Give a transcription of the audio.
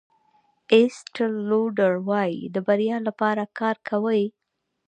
ایسټل لوډر وایي د بریا لپاره کار کوئ.